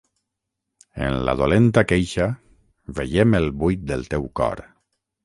En la dolenta queixa veiem el buit del teu cor.